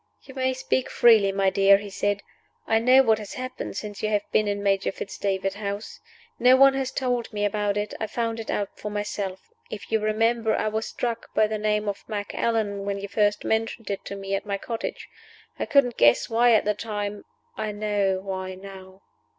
"You may speak freely, my dear," he said. "I know what has happened since you have been in Major Fitz David's house. No one has told me about it; I found it out for myself. If you remember, I was struck by the name of 'Macallan,' when you first mentioned it to me at my cottage. I couldn't guess why at the time. I know why now."